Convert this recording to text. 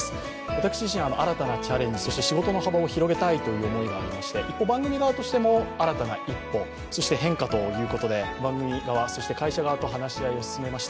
私自身新たなチャレンジそして仕事の幅を広げたいということで一方、番組側としても新たに一歩、そして変化ということで番組側、会社側と話し合いを進めました。